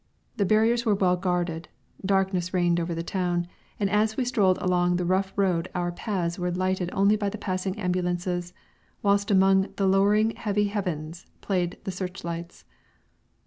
The barriers were well guarded, darkness reigned over the town, and as we strolled along the rough road our path was lighted only by the passing ambulances, whilst across the lowering heavy heavens played the searchlights.